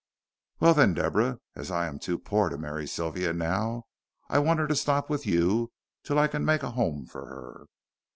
"Well, then, Deborah, as I am too poor to marry Sylvia now, I want her to stop with you till I can make a home for her."